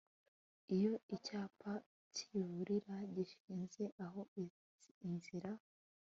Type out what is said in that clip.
iyo icyapa kiburira gishinze aho inzira